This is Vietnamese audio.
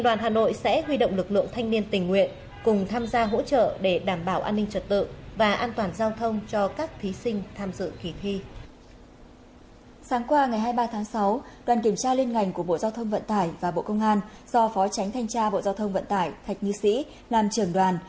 do phó tránh thanh tra bộ giao thông vận tải thạch như sĩ nam trường đoàn